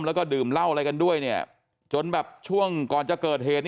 แล้วก็ดื่มเหล้าอะไรกันด้วยจนแบบช่วงก่อนจะเกิดเหตุ